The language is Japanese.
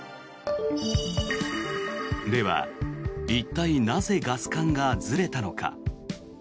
では、一体なぜガス管がずれたのか。